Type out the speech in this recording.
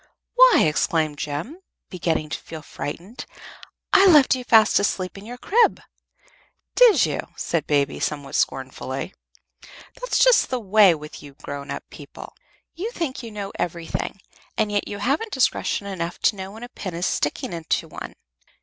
"Why," exclaimed Jem, beginning to feel frightened, "I left you fast asleep in your crib." "Did you?" said Baby, somewhat scornfully. "That's just the way with you grown up people. You think you know everything, and yet you haven't discretion enough to know when a pin is sticking into one.